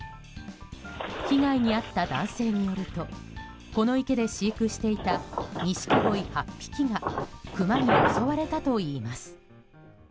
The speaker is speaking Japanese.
被害に遭った男性によるとこの池で飼育していたニシキゴイ８匹がクマに襲われたといいます。